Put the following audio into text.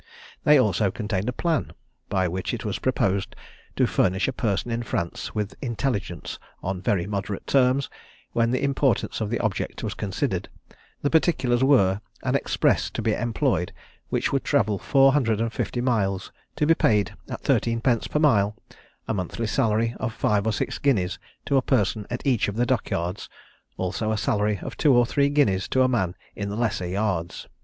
They also contained a plan, by which it was proposed to furnish a person in France with intelligence on very moderate terms, when the importance of the object was considered; the particulars were, an express to be employed which would travel four hundred and fifty miles, to be paid at thirteen pence per mile; a monthly salary of five or six guineas to a person at each of the dock yards; also a salary of two or three guineas to a man in the lesser yards.